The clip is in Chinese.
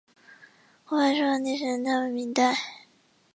古柏树的历史年代为明代。